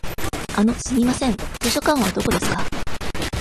あの、すみません。図書館はどこですか。